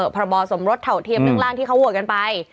พบสมรสเท่าเทียมเรื่องร่างที่เขาโหวตกันไป